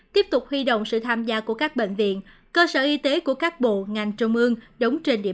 tiếp tục huy động sự tham gia của các bệnh viện cơ sở y tế của các bộ ngành trung bộ